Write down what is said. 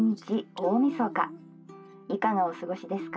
大みそかいかがお過ごしですか？